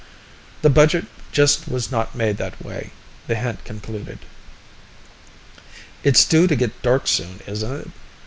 The budget just was not made that way, the hint concluded. "It's due to get dark soon, isn't it?"